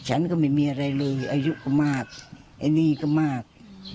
ฉันก็ไม่มีอะไรเลยอายุก็มากไอ้นี่ก็มาก